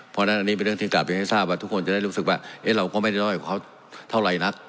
เพราะฉะนั้นอันนี้เป็นเรื่องที่กลับเรียนให้ทราบว่าทุกคนจะได้รู้สึกว่าเราก็ไม่ได้น้อยกว่าเขาเท่าไหร่นัก